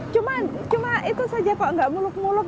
cuma itu saja kok nggak muluk muluk